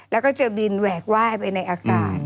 แล้วก็เจอบินแหวกไหว้ไปในอากาศ